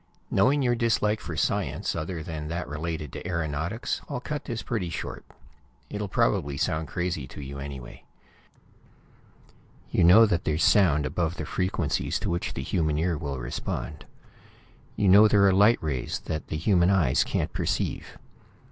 Knowing your dislike for science other than that related to aeronautics, I'll cut this pretty short. It'll probably sound crazy to you, anyway. You know that there's sound above the frequencies to which the human ear will respond. You know there are light rays that the human eyes can't perceive.